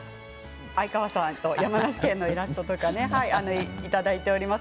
哀川さんや山梨県のイラストとかいただいております。